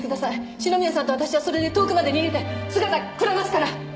四宮さんと私はそれで遠くまで逃げて姿くらますから！